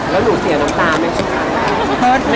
แล้วหนูเสียน้ำตาไม่ใช่ไหมคะ